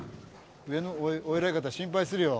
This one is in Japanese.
上のお偉い方心配するよ。